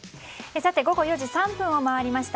さて、午後４時３分を回りました。